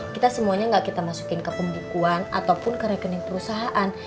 kita semuanya nggak kita masukin ke pembukuan ataupun ke rekening perusahaan